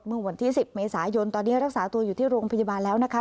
เมื่อวันที่๑๐เมษายนตอนนี้รักษาตัวอยู่ที่โรงพยาบาลแล้วนะคะ